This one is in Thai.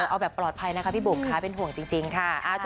เอาแบบปลอดภัยนะคะพี่บุ๋มค่ะเป็นห่วงจริงค่ะ